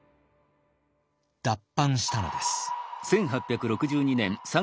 脱藩したのです。